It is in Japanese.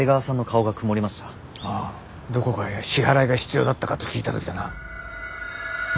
ああどこかへ支払いが必要だったかと聞いた時だな。